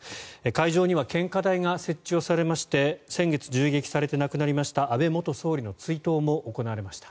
会場には献花台が設置をされまして先月銃撃されて亡くなりました安倍元総理の追悼も行われました。